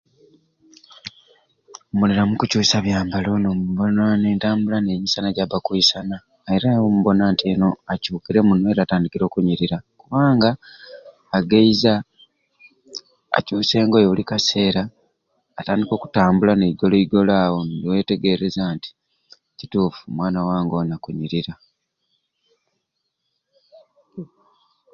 Mubonera mu kukyusa bya mbalo ombona nentambula nenyisana jaba akwisana era awo omubona nti akyukire muno era atandikire okunyirira kubanga agaiza, akyusa engoye buli kaseera atandika okutambula n'eigolo igolo awo niwetegereza nti kituffu omwana wange oni akunyirira.